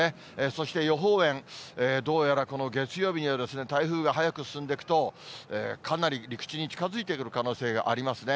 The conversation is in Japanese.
そして予報円、どうやらこの月曜日には、台風がはやく進んでいくと、かなり陸地に近づいてくる可能性がありますね。